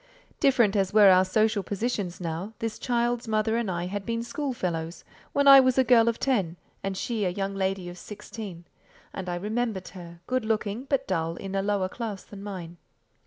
Different as were our social positions now, this child's mother and I had been schoolfellows, when I was a girl of ten and she a young lady of sixteen; and I remembered her, good looking, but dull, in a lower class than mine.